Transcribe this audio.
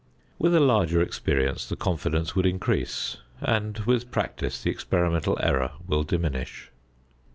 With a larger experience the confidence would increase, and with practice the experimental error will diminish.